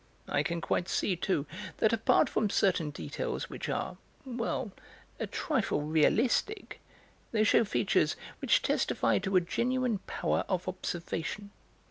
I can quite see, too, that apart from certain details which are well, a trifle realistic, they shew features which testify to a genuine power of observation.